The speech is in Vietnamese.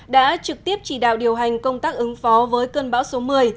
đã trực tiếp chỉ đạo điều hành công tác ứng phó với cơn bão số một mươi